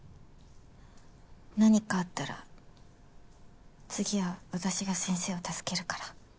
何かあったら次は私が先生を助けるから。